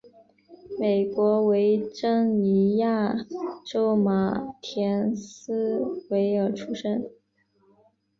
美国维珍尼亚州马田斯维尔出生。